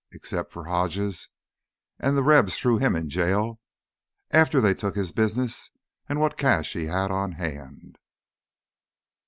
Except for Hodges, an' th' Rebs threw him in jail after they took his business an' what cash he had on hand."